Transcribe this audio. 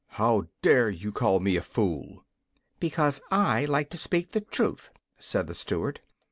"How dare you call me a fool?" "Because I like to speak the truth," said the Steward.